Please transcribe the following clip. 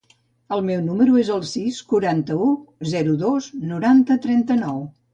El meu número es el sis, quaranta-u, zero, dos, noranta, trenta-nou.